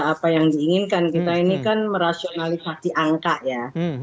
apa yang diinginkan kita ini kan merasionalisasi angka ya